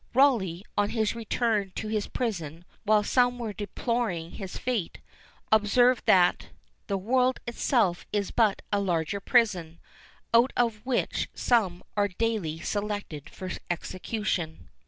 Rawleigh, on his return to his prison, while some were deploring his fate, observed that "the world itself is but a larger prison, out of which some are daily selected for execution."